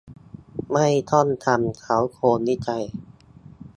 ไม่ต้องทำเค้าโครงวิจัย